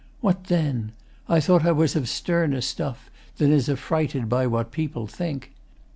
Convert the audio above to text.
What then? I thought I was of sterner stuff Than is affrighted by what people think.